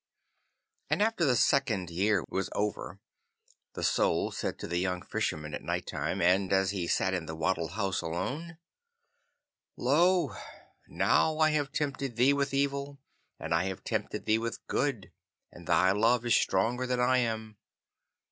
And after the second year was over, the Soul said to the young Fisherman at night time, and as he sat in the wattled house alone, 'Lo! now I have tempted thee with evil, and I have tempted thee with good, and thy love is stronger than I am.